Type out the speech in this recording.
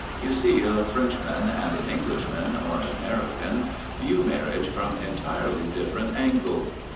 You see, a Frenchman and an Englishman or an American, view marriage from entirely different angles.